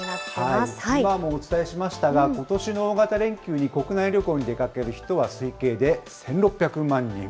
今もお伝えしましたが、ことしの大型連休に国内旅行に出かける人は推計で１６００万人。